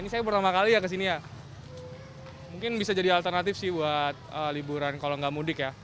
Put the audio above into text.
ini saya pertama kali ya kesini ya mungkin bisa jadi alternatif sih buat liburan kalau nggak mudik ya